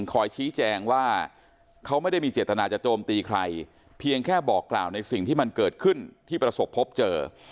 คอยชี้แจงว่าเขาไม่ได้มีเจตนาจะโจมตีใครเพียงแค่บอกกล่าวในสิ่งที่มันเกิดขึ้นที่ประสบพบเจอ